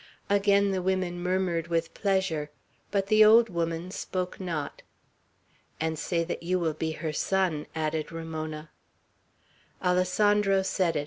Again the women murmured pleasure, but the old woman spoke not. "And say that you will be her son," added Ramona. Alessandro said it.